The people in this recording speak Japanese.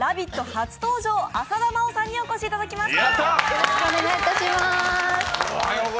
初登場浅田真央さんにお越しいただきました。